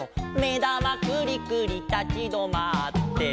「めだまくりくりたちどまって」